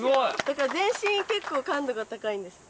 だから全身結構感度が高いんです。